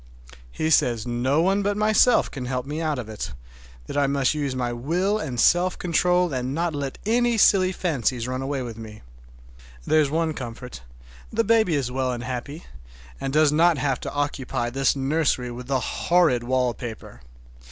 He says no one but myself can help me out of it, that I must use my will and self control and not let any silly fancies run away with me. There's one comfort, the baby is well and happy, and does not have to occupy this nursery with the horrid wallpaper.